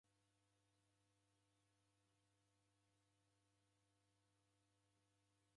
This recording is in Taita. Odukwa kimwaimwai kangirwa noko ndenyi.